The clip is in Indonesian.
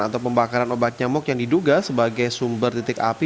atau pembakaran obat nyamuk yang diduga sebagai sumber titik api